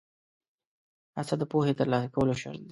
هڅه د پوهې ترلاسه کولو شرط دی.